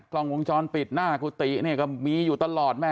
กล้องวงจรปิดน่ากุฏิก็มีอยู่ตลอด